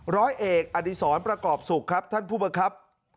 ร้อยเอกอดีศรประกอบสุขครับท่านผู้บังคับ